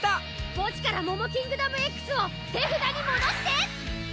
墓地からモモキングダムＸを手札に戻して！